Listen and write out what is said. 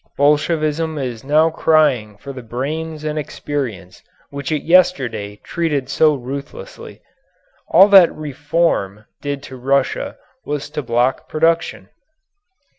Bolshevism is now crying for the brains and experience which it yesterday treated so ruthlessly. All that "reform" did to Russia was to block production.